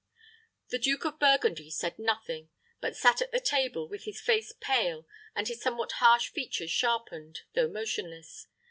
The Duke of Burgundy said nothing; but sat at the table, with his face pale, and his somewhat harsh features sharpened, though motionless.